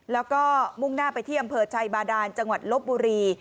แล้วก็มุ่งหน้าไปที่อำเภอชัยบาดานจังหวัดลบบุรี